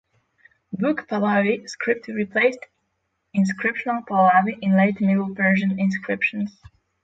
Book Pahlavi script replaced Inscriptional Pahlavi in late Middle Persian inscriptions.